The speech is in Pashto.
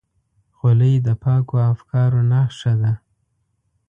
خولۍ د پاکو افکارو نښه ده.